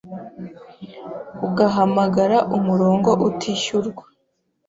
ugahamagara umurongo utishyurwa